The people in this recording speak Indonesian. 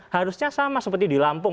harusnya sama seperti di lampung